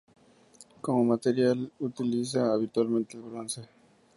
Como material utiliza habitualmente el bronce.